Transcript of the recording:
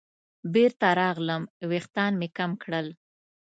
بېرته راغلم ویښتان مې کم کړل.